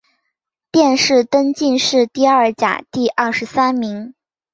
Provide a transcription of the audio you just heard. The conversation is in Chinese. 殿试登进士第二甲第二十三名。